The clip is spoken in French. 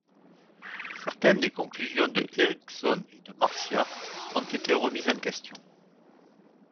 Certaines des conclusions de Erikson et de Marcia ont été remises en question.